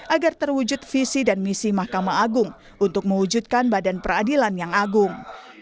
agar terwujud visi dan misi mahkamah agung untuk mewujudkan badan peradilan yang agung